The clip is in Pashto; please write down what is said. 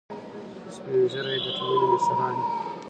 سپین ږیری د ټولنې مشران دي